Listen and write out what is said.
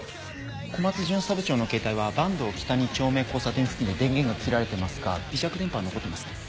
小松巡査部長のケータイは坂東北２丁目交差点付近で電源が切られてますが微弱電波は残ってますね。